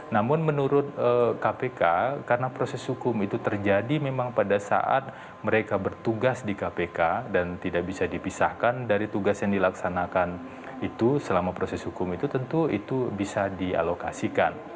namun menurut kpk karena proses hukum itu terjadi memang pada saat mereka bertugas di kpk dan tidak bisa dipisahkan dari tugas yang dilaksanakan itu selama proses hukum itu tentu itu bisa dialokasikan